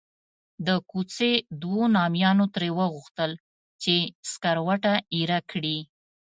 د کوڅې دوو نامیانو ترې وغوښتل چې سکروټه ایره کړي.